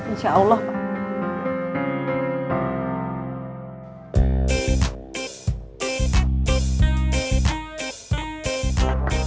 insya allah pak